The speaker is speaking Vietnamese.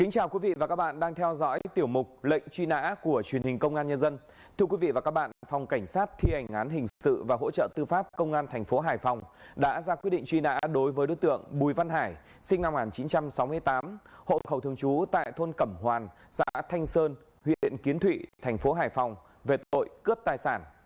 đối với đối tượng bùi văn hải sinh năm một nghìn chín trăm sáu mươi tám hộ khẩu thường trú tại thôn cẩm hoàn xã thanh sơn huyện kiến thụy thành phố hải phòng về tội cướp tài sản